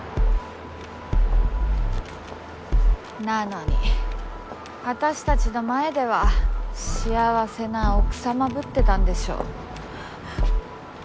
なのに私たちの前では幸せな奥様ぶってたんでしょ。